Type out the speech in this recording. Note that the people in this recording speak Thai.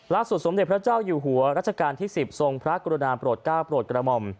สมเด็จพระเจ้าอยู่หัวรัชกาลที่๑๐ทรงพระกรุณาโปรดก้าวโปรดกระหม่อม